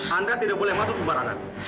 anda tidak boleh masuk sembarangan